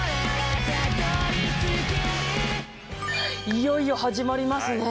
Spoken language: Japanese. いよいよ始まりますね。